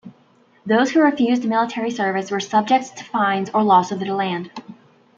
Those who refused military service were subject to fines or loss of their land.